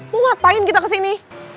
mau ngapain kita kesini